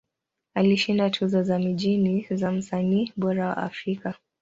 Alishinda tuzo za mijini za Msanii Bora wa Afrika.